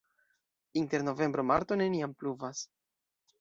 Inter novembro-marto neniam pluvas.